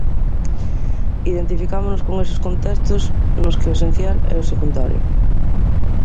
Identificámonos con eses contextos nos que o esencial é o secundario.